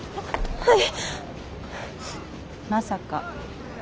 はい。